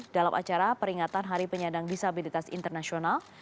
dalam acara peringatan hari penyandang disabilitas internasional